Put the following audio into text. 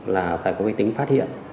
là phải có cái tính phát hiện